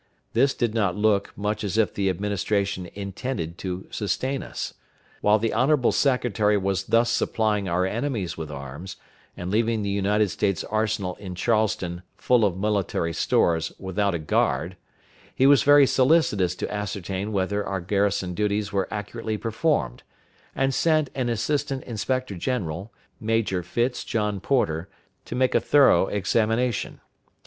This did not look, much as if the Administration intended to sustain us. While the honorable secretary was thus supplying our enemies with arms, and leaving the United States Arsenal in Charleston, full of military stores, without a guard, he was very solicitous to ascertain whether our garrison duties were accurately performed, and sent an assistant inspector general, Major Fitz John Porter, to make a thorough examination.